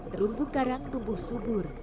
terumbu karang tumbuh subur